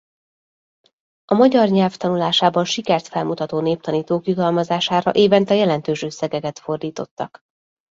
A magyar nyelv tanulásában sikert felmutató néptanítók jutalmazására évente jelentős összegeket fordítottak.